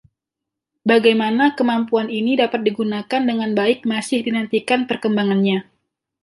Bagaimana kemampuan ini dapat digunakan dengan baik masih dinantikan perkembangannya.